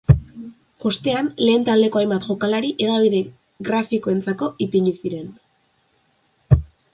Ostean lehen taldeko hainbat jokalari hedabide grafikoentzako ipini ziren.